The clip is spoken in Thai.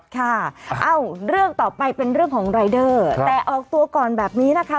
ค่ะเอ้าเรื่องต่อไปเป็นเรื่องของรายเดอร์แต่ออกตัวก่อนแบบนี้นะคะ